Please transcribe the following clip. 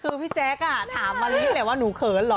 คือพี่แจ๊คถามมะลิแหละว่าหนูเขินเหรอ